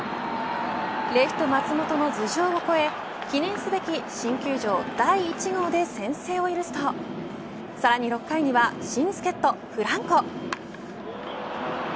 レフト松本の頭上を越え記念すべき、新球場第１号で先制を許すとさらに６回には新助っ人フランコ。